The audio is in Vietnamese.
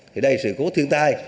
thì đây là sự cố thiên tai